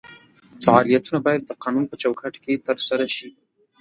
فعالیتونه باید د قانون په چوکاټ کې ترسره شي.